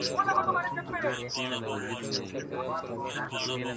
لکه زما درد او ستا خندا چي څوک په زړه وچيچي